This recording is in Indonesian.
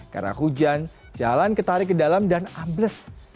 karena hujan jalan ketarik ke dalam dan ambles